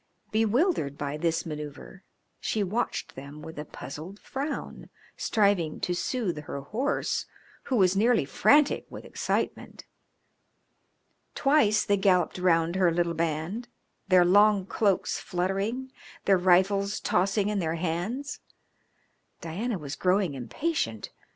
Bewildered by this manoeuvre she watched them with a puzzled frown, striving to soothe her horse, who was nearly frantic with excitement. Twice they galloped round her little band, their long cloaks fluttering, their rifles tossing in their hands. Diana was growing impatient.